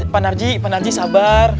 pak nardi pak nardi sabar